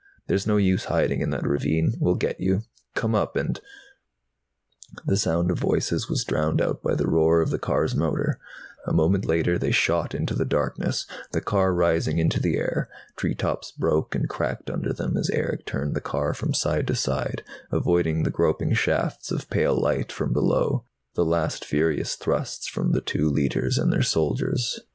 "There's no use hiding in that ravine. We'll get you! Come up and " The sound of voices was drowned out by the roar of the car's motor. A moment later they shot into the darkness, the car rising into the air. Treetops broke and cracked under them as Erick turned the car from side to side, avoiding the groping shafts of pale light from below, the last furious thrusts from the two Leiters and their soldiers.